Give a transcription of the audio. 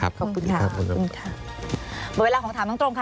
ขอบคุณค่ะขอบคุณค่ะหมดเวลาของถามตรงตรงค่ะ